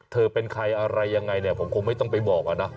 เธอเป็นใครอะไรยังไงเนี่ยผมคงไม่ต้องไปบอกอะนะ